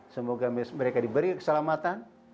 semoga mereka diberi keselamatan